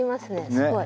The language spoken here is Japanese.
すごい。